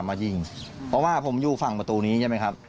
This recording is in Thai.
มายิงเพราะว่าผมอยู่ฝั่งประตูนี้ใช่ไหมครับ